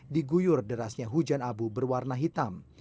diguyur derasnya hujan abu berwarna hitam